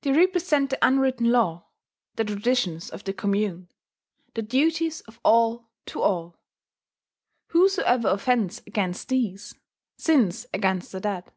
They represent the unwritten law, the traditions of the commune, the duties of all to all: whosoever offends against these, sins against the dead.